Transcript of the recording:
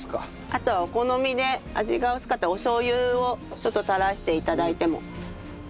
あとはお好みで味が薄かったらおしょう油をちょっと垂らして頂いても美味しいです。